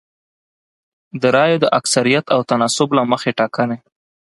د رایو د اکثریت او تناسب له مخې ټاکنې